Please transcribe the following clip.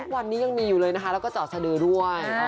วันนี้ยังมีอยู่เลยนะคะแล้วก็เจาะสดือด้วย